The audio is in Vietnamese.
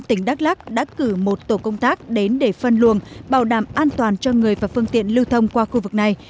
tỉnh đắk lắc đã cử một tổ công tác đến để phân luồng bảo đảm an toàn cho người và phương tiện lưu thông qua khu vực này